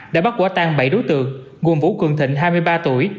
đã bắt quả tăng bảy đối tượng nguồn vũ cường thịnh hai mươi ba tuổi